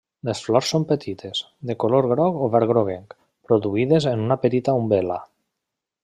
Les flors són petites, de color groc o verd groguenc, produïdes en una petita umbel·la.